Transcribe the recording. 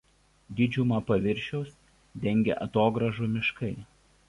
Didžiumą paviršiaus dengia atogrąžų miškai.